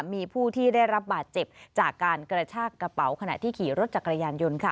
มีผู้ที่ได้รับบาดเจ็บจากการกระชากกระเป๋าขณะที่ขี่รถจักรยานยนต์ค่ะ